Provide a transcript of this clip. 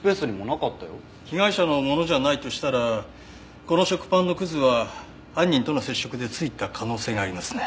被害者のものじゃないとしたらこの食パンのくずは犯人との接触でついた可能性がありますね。